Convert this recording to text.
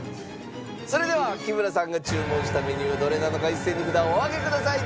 それでは木村さんが注文したメニューはどれなのか一斉に札をお上げください。